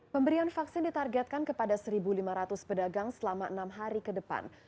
pemberian vaksin ditargetkan kepada satu lima ratus pedagang selama enam hari ke depan